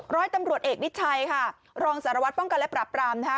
ร้อยตำรวจเอกนิชัยค่ะรองสารวัตรป้องกันและปรับปรามนะคะ